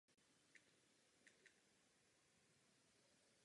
Finanční krize neušetří odvětví investičních fondů, to již víme.